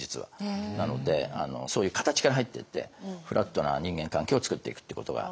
なのでそういう形から入っていってフラットな人間関係をつくっていくっていうことが。